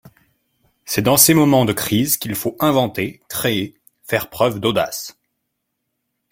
C’est dans ces moments de crise qu’il faut inventer, créer, faire preuve d’audace.